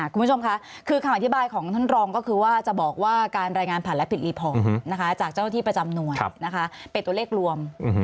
คุณผู้ชมค่ะคือคำอธิบายของท่านรองก็คือว่าจะบอกว่าการรายงานผ่านและผิดรีพอร์ตจากเจ้าหน้าที่ประจำหน่วยนะคะเป็นตัวเลขรวม